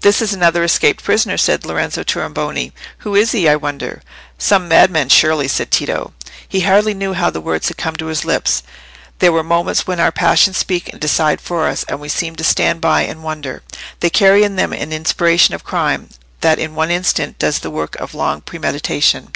"This is another escaped prisoner," said Lorenzo Tornabuoni. "Who is he, I wonder?" "Some madman, surely," said Tito. He hardly knew how the words had come to his lips: there are moments when our passions speak and decide for us, and we seem to stand by and wonder. They carry in them an inspiration of crime, that in one instant does the work of long premeditation.